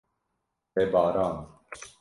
Te barand.